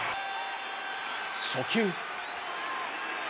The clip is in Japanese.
初球。